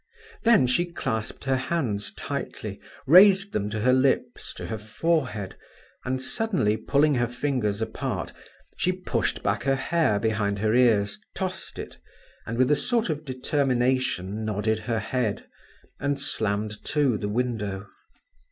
Then she clasped her hands tightly, raised them to her lips, to her forehead, and suddenly pulling her fingers apart, she pushed back her hair behind her ears, tossed it, and with a sort of determination nodded her head, and slammed to the window.